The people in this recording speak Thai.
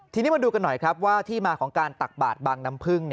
ทีนี้มาดูกันหน่อยครับว่าที่มาของการตักบาดบางน้ำพึ่ง